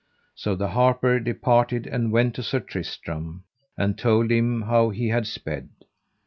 So the harper departed and went to Sir Tristram, and told him how he had sped.